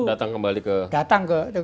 datang kembali ke didi